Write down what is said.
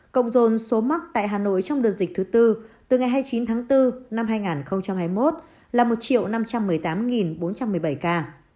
cộng dồn số mắc tại hà nội trong đợt dịch thứ tư từ ngày hai mươi chín tháng bốn năm hai nghìn hai mươi một là một năm trăm một mươi tám bốn trăm một mươi bảy ca